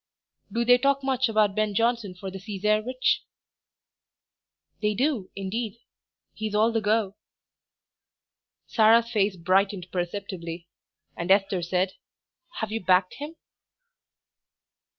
"Do they talk much about Ben Jonson for the Cesarewitch?" "They do, indeed; he's all the go." Sarah's face brightened perceptibly, and Esther said "Have you backed him?'